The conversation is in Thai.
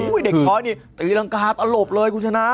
อุ้ยเด็กท้อยนี่ตีรังกาตอโลปเลยคุณชนะ